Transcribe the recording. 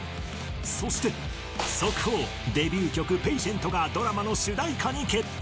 そして、速報、デビュー曲、Ｐａｔｉｅｎｔ！！がドラマの主題歌に決定。